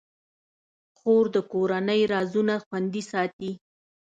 خور د کورنۍ رازونه خوندي ساتي.